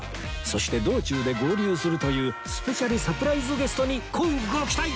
そして道中で合流するというスペシャルサプライズゲストに乞うご期待！